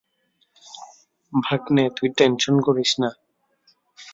ভাগ্নে, তুই টেনশন করিস না।